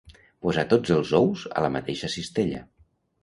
Posar tots els ous a la mateixa cistella.